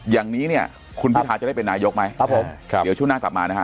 อย่างนี้เนี่ยคุณพิทาจะได้เป็นนายกไหมครับผมครับเดี๋ยวช่วงหน้ากลับมานะฮะ